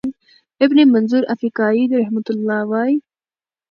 ابن منظور افریقایی رحمه الله وایی،